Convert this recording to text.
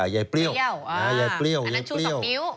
ยายเปรี้ยวยายเปรี้ยวอ๋ออันนั้นชู้๒นิ้ว